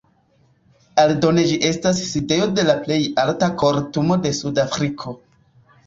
Aldone ĝi estas sidejo de la plej alta kortumo de Sudafriko.